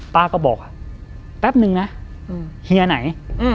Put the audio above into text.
ป้าก็บอกว่าแป๊บนึงนะเฮียไหน